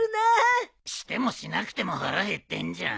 してもしなくても腹減ってんじゃん。